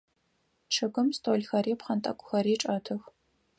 Чъыгым столхэри пхъэнтӏэкӏухэри чӏэтых.